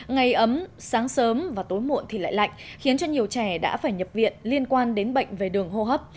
ngày ấm sáng sớm và tối muộn thì lại lạnh khiến cho nhiều trẻ đã phải nhập viện liên quan đến bệnh về đường hô hấp